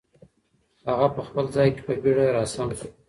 هغه په خپل ځای کې په بیړه را سم شو.